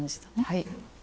はい。